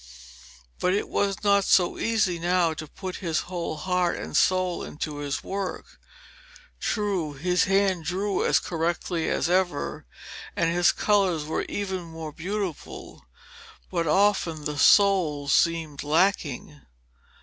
But it was not so easy now to put his whole heart and soul into his work. True, his hand drew as correctly as ever, and his colours were even more beautiful, but often the soul seemed lacking.